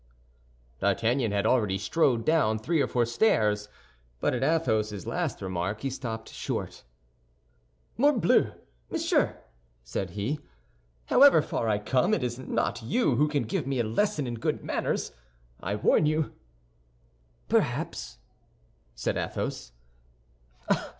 D'Artagnan had already strode down three or four stairs, but at Athos's last remark he stopped short. "Morbleu, monsieur!" said he, "however far I may come, it is not you who can give me a lesson in good manners, I warn you." "Perhaps," said Athos.